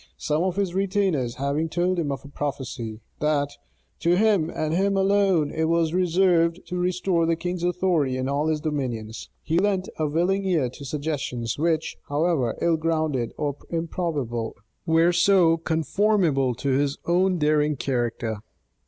Some of his retainers having told him of a prophecy, that "to him and him alone it was reserved to restore the king's authority in all his dominions," he lent a willing ear to suggestions which, however ill grounded or improbable, were so conformable to his own daring character.